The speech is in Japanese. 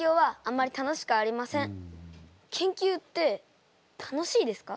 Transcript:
研究って楽しいですか？